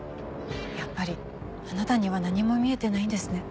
やっぱりあなたには何も見えてないんですね。